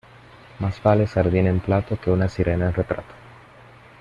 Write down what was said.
Más vale sardina en plato que una sirena en retrato.